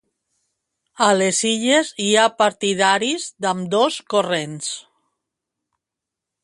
A les Illes hi ha partidaris d'ambdós corrents.